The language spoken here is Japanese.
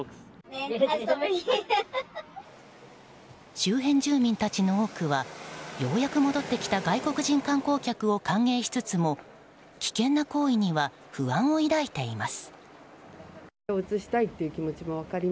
周辺住民たちの多くはようやく戻ってきた外国人観光客を歓迎しつつも危険な行為には不安を抱いています。